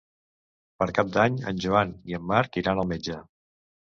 Per Cap d'Any en Joan i en Marc iran al metge.